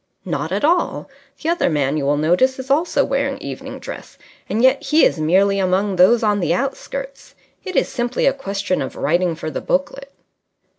"Not at all. The other man, you will notice, is also wearing evening dress, and yet he is merely among those on the outskirts. It is simply a question of writing for the booklet."